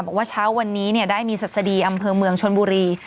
บอกว่าเช้าวันนี้ได้มีศัษฎีอำเภอเมืองชนบุรี